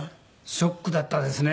ショックだったですね。